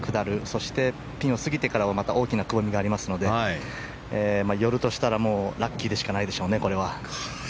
そしてピンを過ぎてから大きなくぼみがありますので寄るとしたらラッキーでしかないでしょうね。